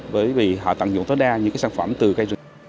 bởi vì họ tận dụng tối đa những sản phẩm từ cây rừng